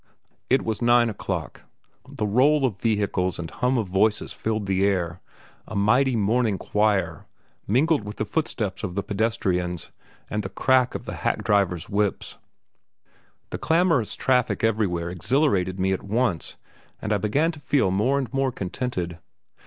It was nine o'clock. The roll of vehicles and hum of voices filled the air, a mighty morning choir mingled with the footsteps of the pedestrians, and the crack of the hack drivers' whips. The clamorous traffic everywhere exhilarated me at once, and I began to feel more and more contented.